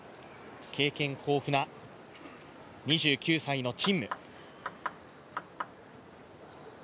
経験豊富な２９歳の陳夢。